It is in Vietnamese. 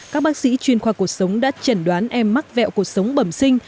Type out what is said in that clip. các bác sĩ chuyên khoa cuộc sống đã chẩn đoán em mắc vẹo cuộc sống bẩm sinh